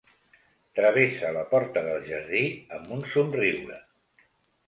Travessa la porta del jardí amb un somriure.